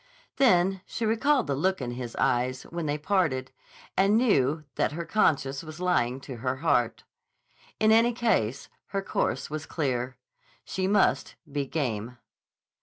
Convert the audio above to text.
Then she recalled the look in his eyes when they parted, and knew that her conscience was lying to her heart. In any case, her course was clear. She must be game.